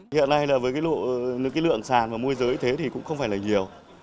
hiện nay với lượng sản và môi giới thế thì cũng không phải là nhiều